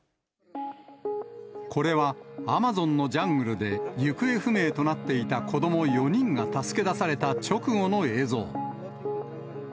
これはアマゾンのジャングルで、行方不明となっていた子ども４人が助け出された直後の映像。